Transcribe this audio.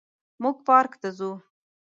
موږ پارک ته ځو